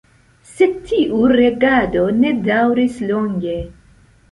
Sed tiu regado ne daŭris longe.